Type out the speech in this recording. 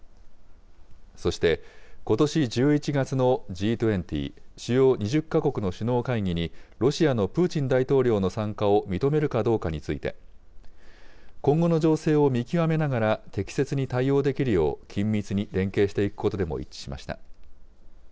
そして、ことし１１月のＧ２０・主要２０か国の首脳会議に、ロシアのプーチン大統領の参加を認めるかどうかについて、今後の情勢を見極めながら適切に対応できるよう、緊密に連携していくことでも一致しました。